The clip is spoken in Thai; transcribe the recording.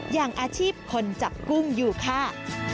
อย่างอาชีพคนจับกุ้งอยู่ค่ะ